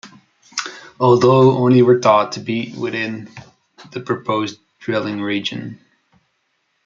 Although, only were thought to be within the proposed drilling region.